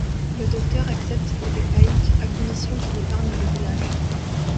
Le Docteur accepte d'aider Pike à condition qu'il épargne le village.